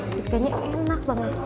terus kayaknya enak banget